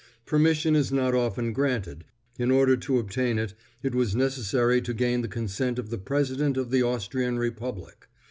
Permission is not often granted; in order to obtain it, it was necessary to gain the consent of the President of the Austrian Republic.